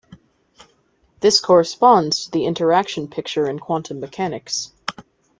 This corresponds to the interaction picture in quantum mechanics.